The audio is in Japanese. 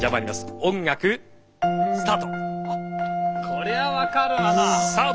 こりゃ分かるわな。